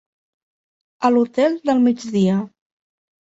A l'Hotel del Migdia.